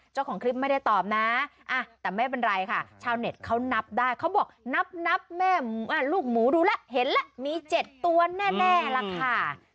เจ้าของคลิปไม่ได้ตอบนะแต่ไม่เป็นไรค่ะชาวเน็ตเขานับได้เขาบอกนับแม่ลูกหมูดูแล้วเห็นแล้วมี๗ตัวแน่ล่ะค่ะ